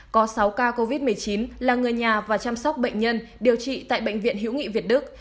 có sáu ca covid một mươi chín là người nhà và chăm sóc bệnh nhân điều trị tại bệnh viện hữu nghị việt đức